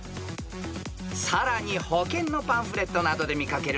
［さらに保険のパンフレットなどで見掛ける